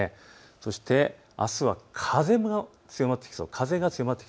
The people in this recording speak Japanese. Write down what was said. そしてあすは風も強まってきそうです。